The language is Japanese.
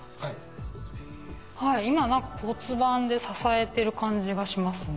今何か骨盤で支えてる感じがしますね。